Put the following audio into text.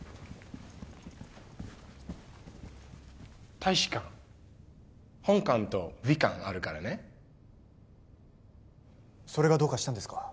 大使館ホンカンとヴィカァンあるからねそれがどうかしたんですか？